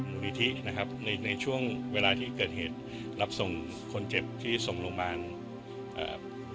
มูลิธิในช่วงเวลาที่เกิดเหตุรับส่งคนเจ็บที่ส่งโรงพยาบาล